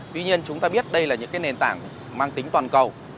tuy nhiên chúng ta biết đây là những nền tảng mang tính toàn cầu